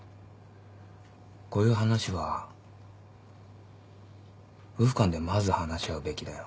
こういう話は夫婦間でまず話し合うべきだよ。